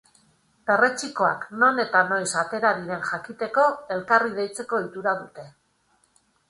Perretxikoak non eta noiz atera diren jakiteko elkarri deitzeko ohitura dute.